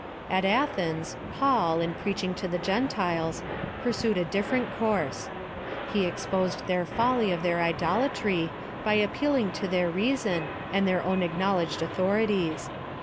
At Athens, Paul, in preaching to the Gentiles, pursued a different course. He exposed the folly of their idolatry, by appealing to their reason, and their own acknow ledged authorities.